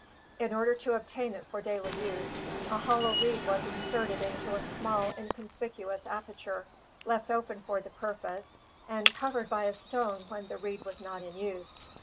In order to obtain it for daily use, a hollow reed was inserted into a small, inconspicuous aperture, left open for the purpose, and covered by a stone when the reed was not in use.